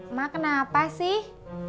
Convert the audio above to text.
emak kenapa sih